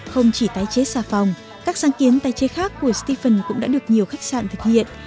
không chỉ tái chế xà phòng các sáng kiến tái chế khác của stephen cũng đã được nhiều khách sạn thực hiện